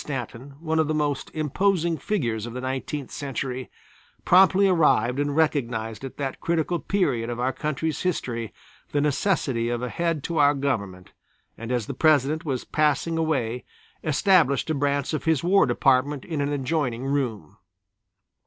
Stanton, one of the most imposing figures of the nineteenth century, promptly arrived and recognized at that critical period of our country's history the necessity of a head to our Government and as the President was passing away established a branch of his War Department in an adjoining room.